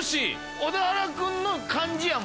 小田原君の感じやもん